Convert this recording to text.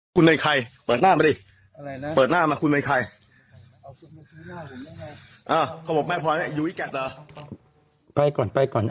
ก่อนก่อนก่อน